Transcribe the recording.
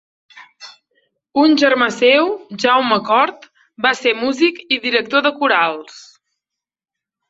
Un germà seu, Jaume Cort, va ser músic i director de corals.